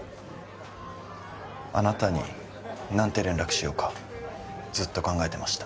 あなたに何て連絡しようかずっと考えてました